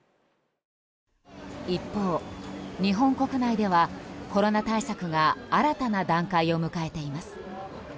一方、日本国内ではコロナ対策が新たな段階を迎えています。